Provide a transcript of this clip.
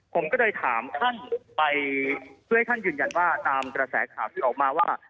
ผมก็เลยถามท่านไปเพื่อให้ท่านยืนยันว่าตามกระแสข่าวที่ออกมาว่า